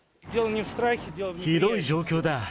ひどい状況だ。